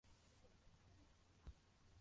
Imbwa isimbukira ku kivuko yinjira mu mazi